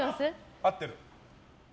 合ってる。